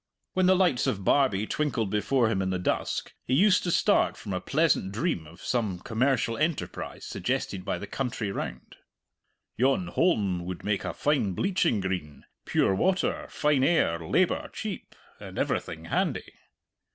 When the lights of Barbie twinkled before him in the dusk, he used to start from a pleasant dream of some commercial enterprise suggested by the country round. "Yon holm would make a fine bleaching green pure water, fine air, labour cheap, and everything handy.